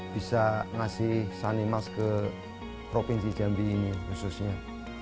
bisa ngasih sanimas ke provinsi jambi ini khususnya